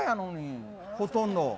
ほとんど。